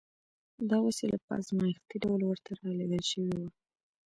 دا وسیله په ازمایښتي ډول ورته را لېږل شوې وه